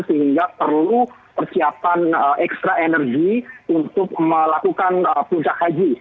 sehingga perlu persiapan ekstra energi untuk melakukan puncak haji